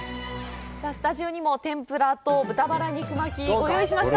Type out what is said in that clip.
スタジオにも天ぷらと豚バラ肉巻き、ご用意しました。